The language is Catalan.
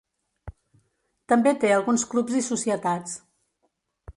També té alguns clubs i societats.